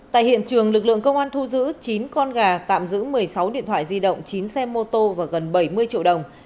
tại hiện trường lực lượng công an thu giữ chín con gà tạm giữ một mươi sáu điện thoại di động chín xe mô tô và gần bảy mươi triệu đồng